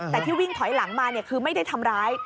แต่ที่วิ่งถอยหลังมาคือไม่ได้ทำร้าย